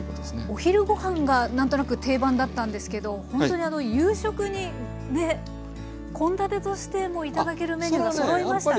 お昼ごはんが何となく定番だったんですけどほんとにあの夕食にね献立としても頂けるメニューがそろいましたね。